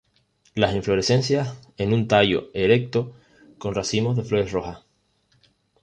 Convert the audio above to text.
Las inflorescencias en un tallo erecto con racimos de flores rojas.